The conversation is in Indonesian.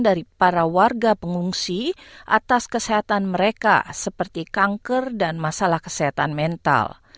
dari para warga pengungsi atas kesehatan mereka seperti kanker dan masalah kesehatan mental